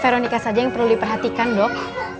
veronica saja yang perlu diperhatikan dok